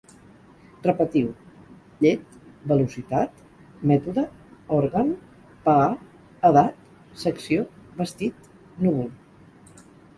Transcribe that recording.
Repetiu: llet, velocitat, mètode, òrgan, pagar, edat, secció, vestit, núvol